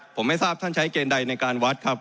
ผมไม่ทราบท่านใช้เกณฑ์ใดในการวัดครับ